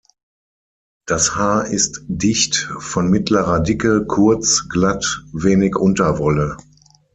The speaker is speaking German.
Das Haar ist dicht, von mittlerer Dicke, kurz, glatt, wenig Unterwolle.